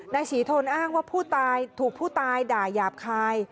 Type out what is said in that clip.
นายศรีทนอ้างว่าผู้ตายถูกผู้ตายด่ายาบคาย